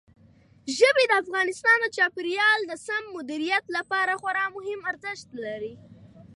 ژبې د افغانستان د چاپیریال د سم مدیریت لپاره خورا مهم ارزښت لري.